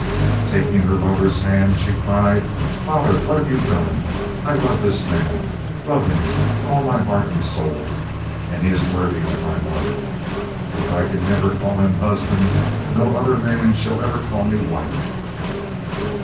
Taking her lover's hand, she cried: "Father, what have you done? I love this man, love him with all my heart and soul, and he is worthy of my love. If I can never call him husband, no other man shall ever call me wife."